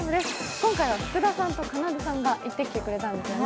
今回は福田さんと、かなでさんが行ってきてくれたんですね。